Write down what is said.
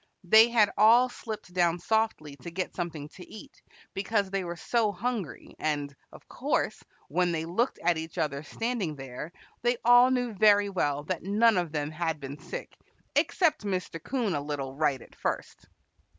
They had all slipped down softly to get something to eat, because they were so hungry, and, of course, when they looked at each other standing there they all knew very well that none of them had been sick, except Mr. 'Coon a little right at first.